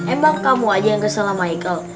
emang kamu aja yang kesel sama haikal